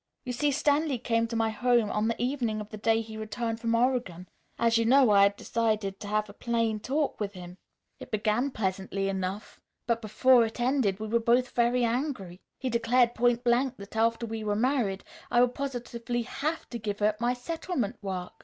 You see, Stanley came to my home on the evening of the day he returned from Oregon. As you know, I had decided to have a plain talk with him. It began pleasantly enough, but before it ended we were both very angry. He declared point blank that after we were married I would positively have to give up my settlement work.